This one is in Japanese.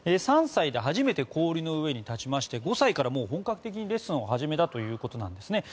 ３歳で初めて氷の上に立ちまして５歳からもう本格的にレッスンを始めたということなんです。